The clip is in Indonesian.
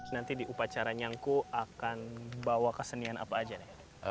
nanti di upacara nyangku akan bawa kesenian apa aja deh